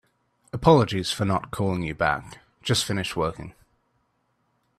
Apologies for not calling you back. Just finished working.